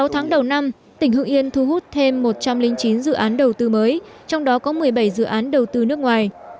sáu tháng đầu năm tỉnh hưng yên thu hút thêm một trăm linh chín dự án đầu tư mới trong đó có một mươi bảy dự án đầu tư nước ngoài